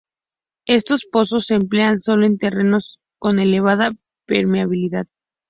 Estos pozos se emplean sólo en terrenos con elevada permeabilidad.